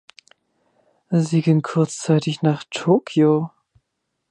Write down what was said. Sie ging kurzzeitig nach Tokio.